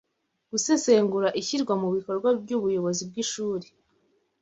Gusesengura ishyirwa mu bikorwa ry'ubuyobozi bw'Ishuri